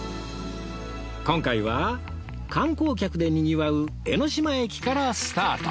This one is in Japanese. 今回は観光客でにぎわう江ノ島駅からスタート